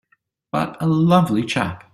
But a lovely chap!